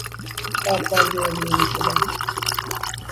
با فاجعه روبرو شدن